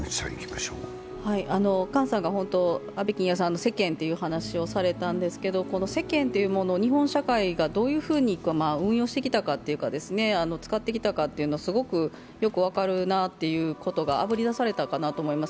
姜さんが世間という話をされたんですけど、世間というものを日本社会がどういうふうに運用してきたか、使ってきたかというのがすごくよく分かるなというのがあぶり出されたかなと思います。